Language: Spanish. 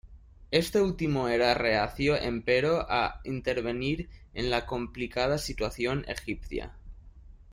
Este último era reacio, empero, a intervenir en la complicada situación egipcia.